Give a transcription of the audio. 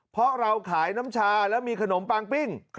เพราะเราขายน้ำชาแล้วมีขนมปังปิ้ง